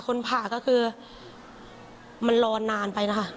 ผ่าก็คือมันรอนานไปนะคะ